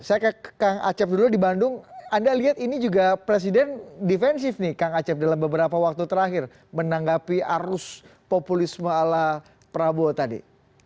saya ke kang acep dulu di bandung anda lihat ini juga presiden defensif nih kang acep dalam beberapa waktu terakhir menanggapi arus populisme ala prabowo tadi